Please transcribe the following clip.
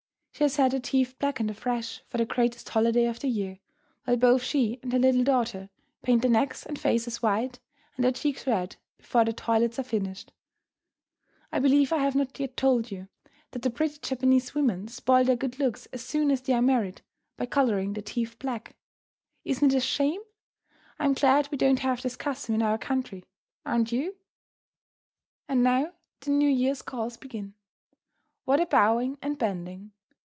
She has had her teeth blackened afresh for the greatest holiday of the year, while both she and her little daughter paint their necks and faces white and their cheeks red before their toilets are finished. I believe I have not yet told you that the pretty Japanese women spoil their good looks as soon as they are married by colouring their teeth black! Isn't it a shame? I'm glad we don't have this custom in our country, aren't you? And now the New Year's calls begin. What a bowing and bending!